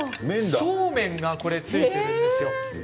そうめんがついているんですよ。